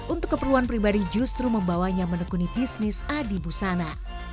untuk keperluan pribadi justru membawanya menekuni bisnis adi busana